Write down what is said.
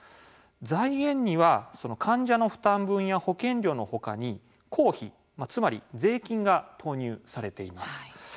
財源には患者の負担分や保険料の他に公費、つまり税金が投入されています。